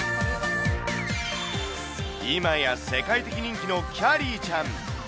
今や世界的人気のきゃりーちゃん。